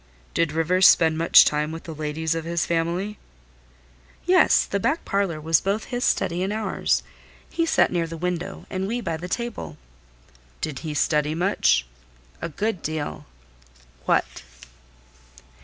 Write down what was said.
"Did Rivers spend much time with the ladies of his family?" "Yes; the back parlour was both his study and ours: he sat near the window, and we by the table." "Did he study much?" "A good deal." "What?"